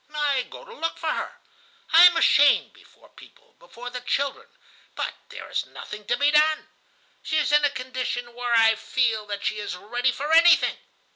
I go to look for her. I am ashamed before people, before the children, but there is nothing to be done. She is in a condition where I feel that she is ready for anything.